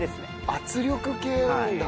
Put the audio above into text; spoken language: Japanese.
圧力計なんだ。